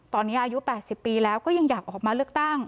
ตอนนี้อายุ๘๐ปีแล้วก็ยังอยากออกมาเลือกตั้ง